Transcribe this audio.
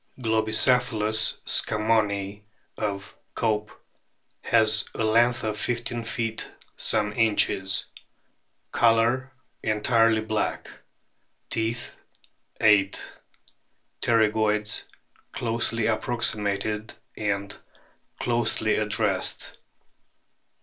* Globicephalus scammonii, of Cope,f has a length of 1 5 feet some inches. Colour entirely black. Teeth, 8. Pterygoids closely approximated and closely ad dressed.